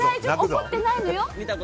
怒ってないのよ？